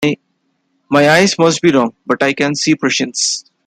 My eyes must be wrong, but I can see Prussians.